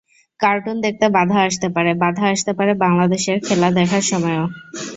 Cartoon দেখতে বাধা আসতে পারে, বাধা আসতে পারে বাংলাদেশের খেলা দেখার সময়ও।